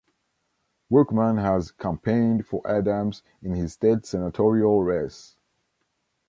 Workman had campaigned for Adams in his state senatorial race.